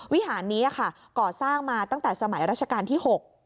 วิหารนี้ค่ะก่อสร้างมาตั้งแต่สมัยราชการที่๖